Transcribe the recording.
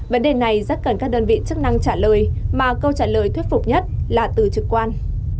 vấn đề này rất cần các đơn vị chức năng trả lời mà câu trả lời thuyết phục nhất là từ trực quan